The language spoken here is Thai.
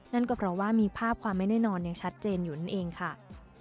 นั่นก็เพราะว่ามีภาพความไม่แน่นอนยังชัดเจนอยู่นั่นเองค่ะ